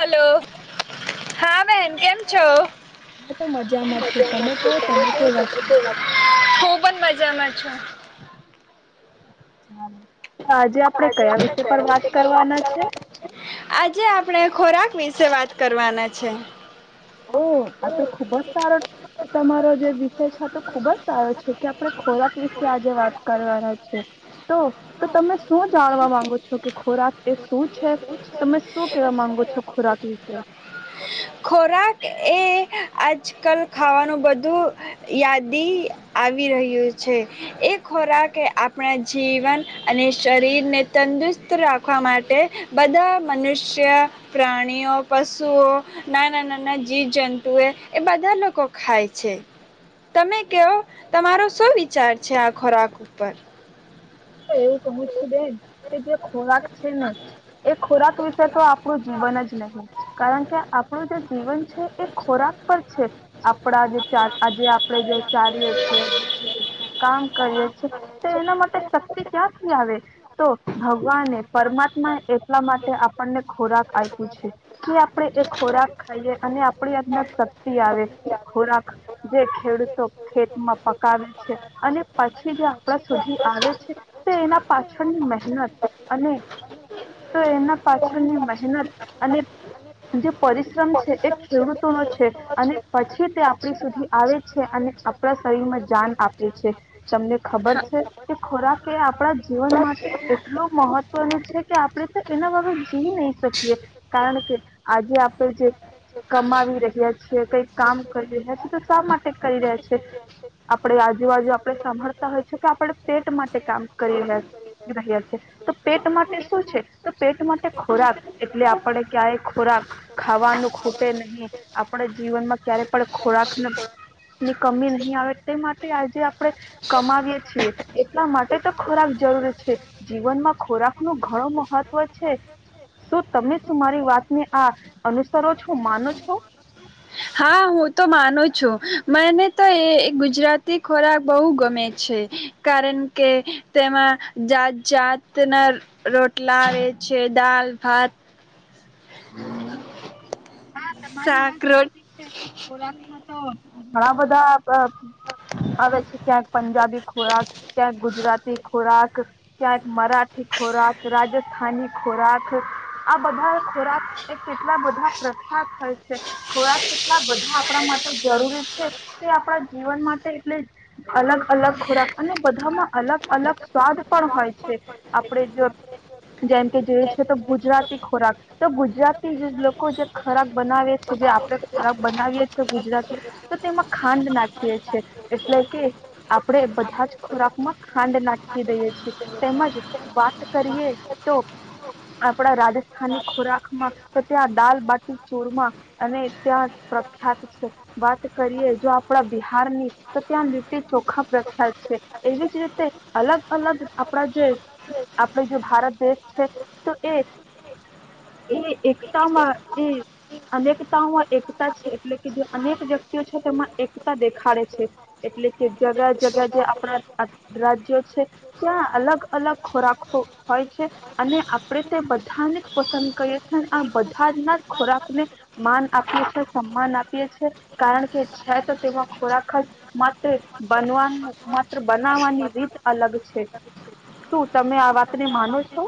Hello હા બેન કેમ છો. ખ પણ મજામાં છું. સારું. હ આજે આપડે કયા વિષ પર વાત કરવાના છે. આજે આપણેે ખોરાક વિશે વાત કરવાના છે. ઓહ આ તો ખુબ જ સારો. તમારો જે વિષય છે તો ખુબ જ સારો છે કે આપણે ખોરાક વિશે આજે વાત કરવાના છે તો તો તમે શું જાણવા માંગો છો કે ખોરાક એ શું છે તમે શું કેવા માંગો છો ખોરાક વિશે. ખોરાક એ આજકાલ ખાવાનું બધું યાદી આવી રહ્યું છે એ ખોરાક આપણા જીવન અને શરીરને તંદુરસ્ત રાખવા માટે બધા મનુષ્ય પ્રાણીઓ પશુઓ. નાના નાના જીવજંતુ એ એ બધા લોકો ખાય છે તમે કેવો તમારો શું વિચાર છે આ ખોરાક ઉપર. તો એવું કહું છે બે કે જો. ખોરાક છે ને એ ખોરાક વિશે તો આપણું જીવન જ નહીિ કારણ કે આપણું જે જીવન છે એ ખોરાક પર છે આપણા જે ચ આજે આપણે જે ચલીએ છીએ બોલીએ છે કામ કરીએ છ છેએ તો એના માટે. ક્યાંથી આવે તો ભગવાને. પરમાત્મા એ એટલા માટે આપણને ખોરાક આપ્યું છે કે આપણે. ખોરાક ખાઈએ અને આપણી અંદર શક્તિ આવે ખોરાક જે ખેડૂતો ખેતમાં પકાવે છે અને પછી જે. સુધી આવે જ. તે એના પા. પાછળની મહેનત અને તો એના પાછળની મહેનત અને જે પરિશ્રમ છે એ ખેડૂતો નો છે અને પછી તે આપણી સુધી આવે છે અને આપણા શરીરમાં જાન આપે છે તમને ખબર છે કે ખોરાક. કે આપણા જીવન માટે એટલું મહત્વનું છે કે આપણે તો એના બાબત જી નહી શકીએ કારણ કે આજે આપણે જે કમાવી રહ્યા છીએ કઈક કામ કરી રહ્યા છેીએ તો શા માટે કરી રહ્યા છીએ આપણે આજુબાજુ આપણે સાંભળતા હોય છે કે આપણે પેટ માટે. ્યા છે તો પેટ માટે શું છે તો પેટ માટે ખોરાક એટલે આપણે ક્યારેય ખોરાક ખાવાનું ખૂટે નહીં આપણે જીવનમાં ક્યારે પણ ખોરાક ની કમી નહીં આવે તે માટે આજે આપણે કમાવીએ છીએ એટલા માટે. એ તો ખોરાક જરૂર છે જીવનમાં ખોરાક નું ઘણું મહત્વ છે શું તમે મારી વાતને આ અનુસરો છો માનો છો. હા હું તો માનું છું મને તો એ ગુજરાતી ખોરાક બહુ ગમે છે કારણ કે તેમાં જાત જાતના રોટલા આવે છે દાલ ભાત. હમ. હા તમારી વાત સાચી છે ખોરાકમાં તો. ઘણા બધા આવે છે ક્યાંક પંજાબી ખોરાક ક્યાંક ગુજરાતી ખોરાક ક્યાંક મરાઠી ખોરાક રાજસ્થાની ખોરાક આ બધા ખોરાક કેટલા બધા. થ છે ખોરાક કેટલા બધા આપણા માટે જરૂરી છે તે આપણા જીવન માટે એટલે અલગ અલગ ખોરાક અને બધામાં અલગ અલગ સ્વાદ પણ હોય છે આપણે જો જેમ કે જોઈ છે તો ગુજરાતી ખોરાક તો ગુજરાતી લોકો જે. ખોરાક બનાવીએ છ છે જે આપણે ખોરાક બનાવીએ છીએ ગુજરાતી તો તેમાં ખાંડ નાખીએ છેએ એટલે કે આપણેે બધા જ ખોરાકમાં ખાંડ નાખી દઈએ છીએ તેમજ વાત કરીએ તો આપણા રાજસ્થાની ખોરાકમાં તો ત્યાં દાલ બાટી. ચૂરમા અને ત્યાં પ્રખ્યાત છે વાત કરીએ જો આપણા બિહાર ની તો ત્યાં લીટી ચોખા પ્રખ્યાત છે એવી જ રીતે અલગ અલગ આપણા જે આપડ જે ભારત દેશ છે તો એ એકતામાં. એ અનેકતાઓમાં એકતા છે એટલે કે જે અનેક વ્યક્તિઓ છે તેમાં એકતા દેખાડે છે એટલે કે જગ્યા જગ્યા જે આપણા રાજ્યો છે ત્યાં અલગ અલગ ખોરાકો હોય છે અને આપણે તે બધાને જ પસંદ કરીએ છે અને આ બધાના. ખોરાકને માન આપીએ છે સન્માન આપીએ છે કારણ કે છે તો તેમાં ખોરાક જ માટે બનવા માત્ર બનાવવાની રીત અલગ છે શું તમે આ વાતને માનો છો.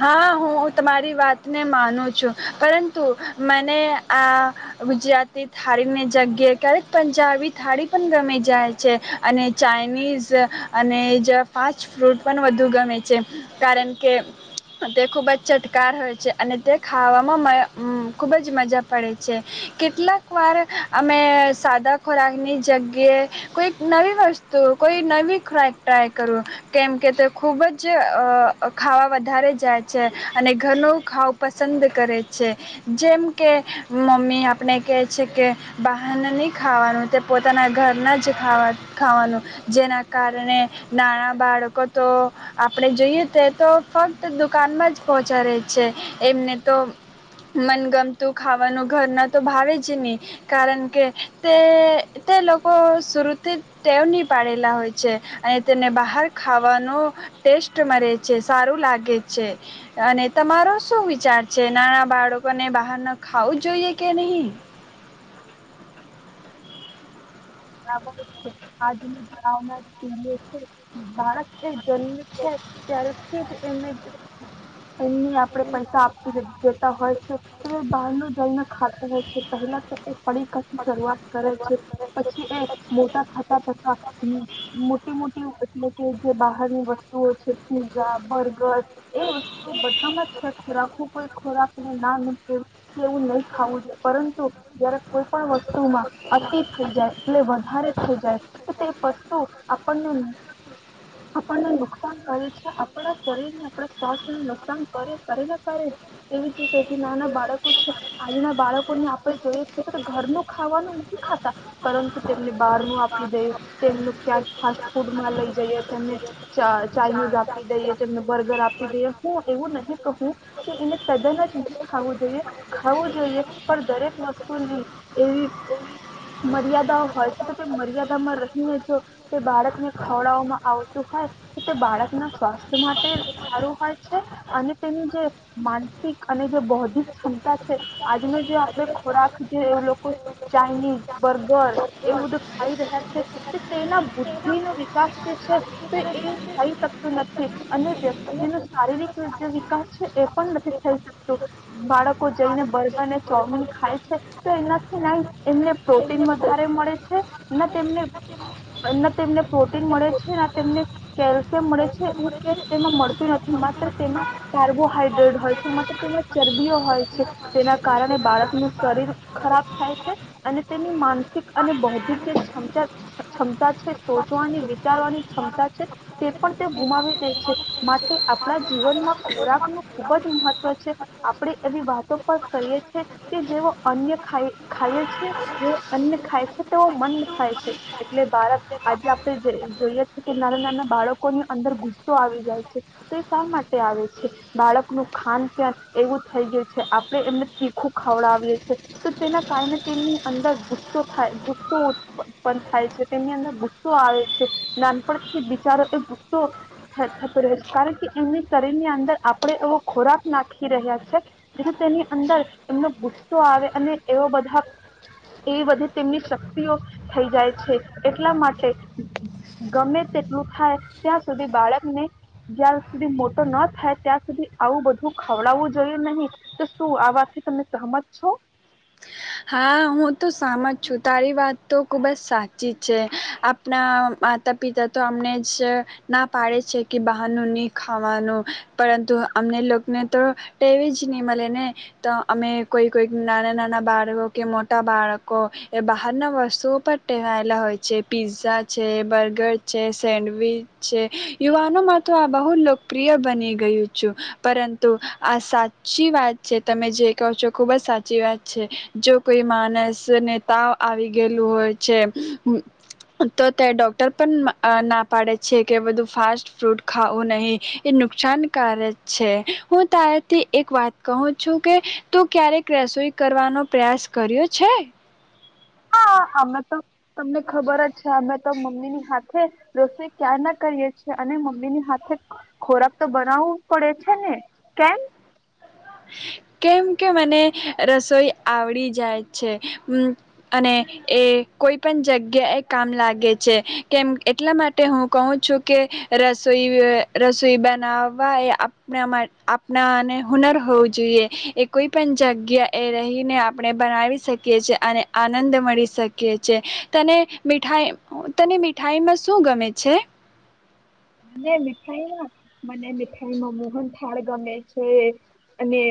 હા હું તમારી વાતને માનું છું પરંતુ મને આ ગુજરાતી થાળીની જગ્યાએ ક્યારેક પંજાબી થાળી પણ ગમેી જાય છે અને ચાાઈનીઝ અને જ ફાસ્ટ ફ્રૂડ પણ વધુ ગમે છે કારણ કે તે ખૂબ જ ચટકાર હોય છે અને તે ખાવામાં ખૂબ જ મજા પડે છે કેટલાક વાર અમે સાદા ખોરાકની જગ્યાએ કોઈક નવી વસ્તુ કોઈ નવી ખોરાક ટ્રાય કરું કેમકે તે ખૂબ જ ખાવા વધારે જાય છે અને ઘરનું ખાવું પસંદ કરે છે જેમ કે મમ્મી આપણે કહે છે કે બહારને નહીં ખાવાનું તે પોતાના ઘરના જ ખાવા ખાવાનું જેના કારણે નાનાં બાળકો તો આપણે જોઈએ તે તો ફક્ત દુકાનમાં જ પહોંચાડે છે એમને તો મનગમતું ખાવાનું ઘરના તો ભાવે જ નહીં કારણ કે તે તે લોકો સુરથી ટેવ નહી પાડેલા હોય છે અને તેને બહાર ખાવાનો ટેસ્ટ મે છે સારું લાગે અને તમારો શું વિચાર છે નાના બાળકોને બહાર ન ખાવું જોઈએ કે નહી. બરાબર જ છે આજની જે આવનારી પહેલો છે બાળક એ જન્મ છે ત્ય્યારેથી જ એને એ આપણે પૈસા આપી દેતા હોય છે તો બહાર ન જલને ખાતા હોય છે પહેલા તો એ ફડીકા ની શરૂઆત કરે છે પછી એ મોટા થાતા થતા મોટી મોટી એટલે કે જે બહારની વસ્તુઓ છે પીઝા બર્ગર એ વસ્તુ બધામાં છે ખોરાકું કોઈ ખોરાકનું નામ કેવું નહી ખાવું જોઈ પરંતુ જય્યારે કોઈ પણ વસ્તુમાં અતિ થઈ જાય એટલે વધારે થઈ જાય તો તે વસ્તુ આપ આપણને આપણને નુકસાન કરે છે આપણા શરીરને આપણા સ્વાસ્થ્યને નુકસાન કરે કરે ને કરે એવી જ રીતે નાના બાળકો છે આજના બાળકોને આપણે જોઈએ છેએ તો ઘરનું ખાવાનું નથી ખાતા. પરંતુ તેમની બાર ન આપી દઈએ તેમનું ક્યાંક ફાસ્ટ ફૂડ માં લઈ જઈએ તેમનેા ચાઇનીઝ આપી દઈએ તેમને બર્ગર આપી દઈએ હું એવું નહીિ કહું કે એને તદ્દન જ નહી ખાવું જોઈએ. ખાવું જોઈએ પણ દરેક વસ્તુની એવી મર્યાદાઓ હોય છે તો તે મર્યાદામાં રહીને જો તે બાળકને ખવડાવવામાં આવતું હોય તો તે બાળકના સ્વાસ્થ્ય માટે સારું હોય છે અને તેની જે માનસિક અને જે બૌદ્ધિક ક્ષમતા છે આજનો જે આપણે ખોરાક જે એવું લોકો ચાાઈનીઝ બર્ગર એ બધું ખાઈ રહ્યા છે તો તેના બુદ્ધિ ન વિકાસ જે છે તો એ થઈ શકતું નથી અને વ્યક્તિ ન શારીરિક જે વિકાસ છે એ પણ નથી થઈ શકતું બાળકો જઈને બર્ગર અનેને ચોમીન ખાય છે તો એનાથી ના એમને પ્રોટીન વધારે મળે છે ના તેમને ના તેમને પ્રોટીન મળે છે ના તેમને કેલ્શિયમ મળે છે એવું કંક તેમાં મળતું નથી માત્ર તેમાં કાર્બોહાઈડ્રેટ હોય છે માત્ર તેમાં ચરબીઓ હોય છે તેના કારણે બાળકનું શરીર ખરાબ થાય છે. અને તેની માનસિક અને બૌદ્ધિક જે ક્ષમતા ક્ષમતા છે સોચવાની વિચારવાની ક્ષમતા છે તે પણ તે ગુમાવી દે છે માટે આપણા જીવનમાં ખોરાક નું ખુબ જ મહત્વ છે આપણે એવી વાતો પણ કરીએ છ છે કે જેઓ અન્ય ખાઈ ખાઈએ છે. જે અન્ન ખાય છે તેઓ મન ખાય છે એટલે બાળક આજે આપણે જોઈએ છે કે નાના નાના બાળકોની અંદર ગુસ્સો આવી જાય છે તો એ શા માટે આવે છે બાળકનું ખાન પન એવું થઈ ગયું છે આપણે એમને તીખું ખવડાવીએ છે તો તેના કારણે થાય ગુસ્સોન થાય છે તેમની અંદર ગુસ્સો આવે છે નાનપણથી બિચારો એ ગુસ્સો થતો રહે છે કારણ કે એમની શરીર ની અંદર આપણે એવો ખોરાક નાખી રહ્યા છે જે તેની અંદર એમનો ગુસ્સો આવે અને એવા બધા એવી બધી તેમની શક્તિઓ થઈ જાય છે એટલા માટે ગમે તેટલું થાય ત્યાં સુધી બાળકને જ્યાં સુધી મોટો ન થાય ત્યાં સુધી આવું બધું ખવડાવવું જોઈએ નહીં તો શું આ વાતથી તમે સહમજ છો. હા હું તો સામત છું તારી વાત તો ખૂબ જ સાચી છે આપણા માતા પિતા તો અમને જ ના પાડે છે કે બહારનું નહીં ખાવાનું પરંતુ અમને લોકોને તો ટેવી જ નહીં મળે ને તો અમે કોઈ કોઈક નાના નાના બાર કે મોટા બાળકો એ બહાર ના વસ્તુ પરવાયેલા હોય છે પીઝા છે બર્ગર છે સેન્ડવીચ છે યુવાનોમાં તો આ બહુ લોકપ્રિય બની ગયું છું પરંતુ આ સાચી વાત છે તમે જે કહો છો ખુબ જ સાચી વાત છે. જો કોઈ માણસ કે નેતા આવી ગયેલું હોય છે તો તે ડોક્ટર પણ ના પાડે છે કે બધું ફાસ્ટ ફૂડ ખાવું નહી એ નુકસાનકારક છે હું તારથી એક વાત કહું છું કે તું ક્યારેક રસોઈ કરવાનો પ્રયાસ કર્યો છે? હા અમે તો તમને ખબર જ છે અમે તો મમ્મી ની હાથે રસોઈ ક્યાં ના કરીએ છેએ અને મમ્મી ની હાથે ખોરાક તો બનાવવું જ પડે છે ને. કેમ? કેમ કે મને રસોઈ આવડી જાય છે અને એ કોઈ પણ જગ્યા એ કામ લાગે છે કેમ એટલા માટે હું કહું છું કે રસોઈ રસોઈ બનાવવા એ આપ આપણાને હુનર હોવું જોઈએ એ કોઈ પણ જગ્યા એ રહીને આપણે બનાવી શકીએ છેએ અને આનંદ મળી શકીએ છે તને મીઠાઈ તને મીઠાઈમાં શું ગમે છે. મ મીઠાઈમાં મને મીઠાઈમાં મોહન થાળ ગમે છે અને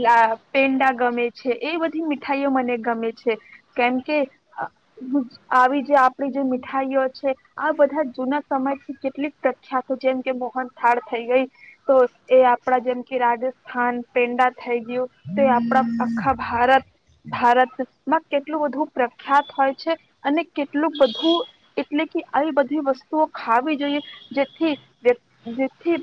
લ પેંડા ગમે છે એ બધી મીઠાઈઓ મને ગમે છે કેમ કે આવી જે આપડી જે મીઠાઈઓ છે આ બધા જૂના સમય કેટલીક પ્રખ્યાત જેમ કે મોહન થાળ થઈ ગઈ તો એ આપણા જેમ કે રાજસ્થાન પેડા થઈ ગયું તો આપણા આખા ભારત ભારતમાં કેટલું બધું પ્રખ્યાત હોય છે અને કેટલું બધું એટલે કે આવી બધી વસ્તુઓ ખાવી જે જેથી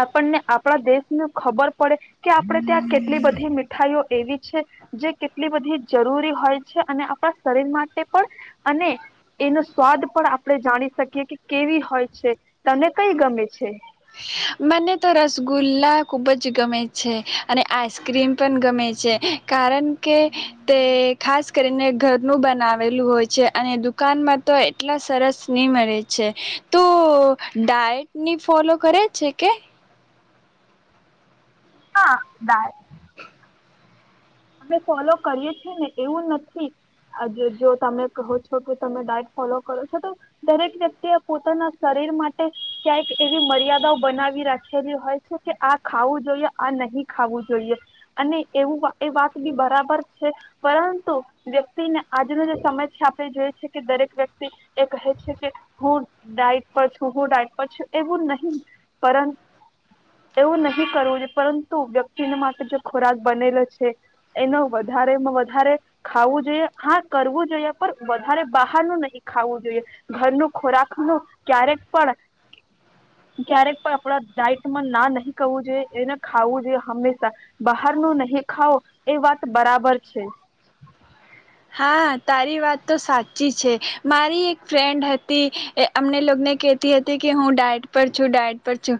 આપણને આપણા દેશને ખબર પડે કે આપણે ત્યાં કેટલી બધી મીઠાઈઓ એવી છે જે કેટલી બધી જરૂરી હોય છે અને આપણા શરીર માટે પણ અને એનો સ્વાદ પણ આપણે જાણી શકીએ કે કેવી હોય છે તને કઈ ગમે છે. મને તો રસગુલ્લા ખૂબ જ ગમે છે અને આઈસ્ક્રીમ પણ ગમે છે કારણ કે તે ખાસ કરીને ઘર નું બનાવેલું હોય. છે અને દુકાનમાં તો એટલા સરસ ની મળે છે તો ડાયટ ની ફોલો કરે છે કે? હા ગાય અમે ફોલો કરીએ છેીએ ને એવું નથી જો તમે કહો છો કે તમે ડાયટ ફોલો કરો છો તો દરેક વ્યક્તિ એ પોતાના શરીર માટે ક્યાંક એવી મર્યાદાઓ બનાવી રાખેલી હોય છે કે આ ખાવું જોઈએ આ નહી ખાવું જોઈએ અને એવું એ વાત બી બરાબર છે પરંતુ વ્યક્તિને આજનો જે સમય છે આપણે જોઈએ છે કે દરેક વ્યક્તિ એ કહે છે કે હું ડાઈટ પર છું હું ડાઈટ પર છું એવું નહીં પર એવું નહીં કરવું જોઈએ પરંતુ વ્યક્તિને માટે જો ખોરાક બનેલો છે. એનું વધારેમાં વધારે ખાવું જોઈએ હા કરવું જોઈએ પણ વધારે બહારનું નહીિ ખાવું જોઈએ ઘરનું ખોરાકનું ક્યારેક પણ ક્યારેક પણ આપડા ડાઈટમાં ના નહીં કરવું જોઈએ એને ખાવું જોઈએ હંમેશા બહારનું નહી ખાવો. એ વાત બરાબર છે. હા તારી વાત તો સાચી છે મારી એક ફ્રેન્ડ હતી અમનેગને કેતી હતી કે હું ડાયટ પર છું ડાયટ પર છું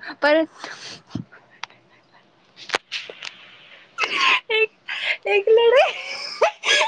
પણ લ